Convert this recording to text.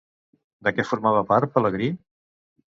De què formava part Pelegrí?